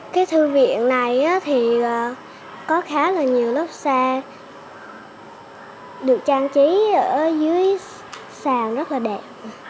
cái thư viện này thì có khá là nhiều lốp xe được trang trí ở dưới sàn rất là đẹp